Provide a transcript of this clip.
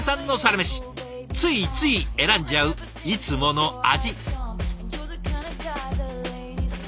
ついつい選んじゃういつもの味。